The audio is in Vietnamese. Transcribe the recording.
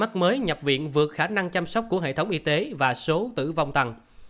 được khả năng chăm sóc của hệ thống y tế và số tử vong tăng